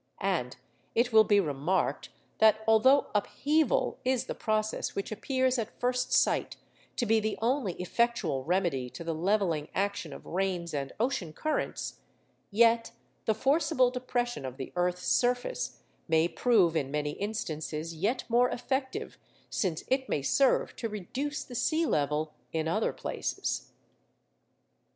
And it will be remarked, that although upheaval is the process which appears at first sight to be the only effectual remedy to the levelling action of rains and ocean currents, yet the forcible depression of the earth's surface may prove in many instances yet more effective, since it may serve to reduce the sea level in other places.